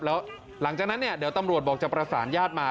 แล้วหลังจากนั้นเนี่ยเดี๋ยวตำรวจบอกจะประสานญาติมา